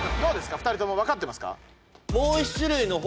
２人ともわかってますか？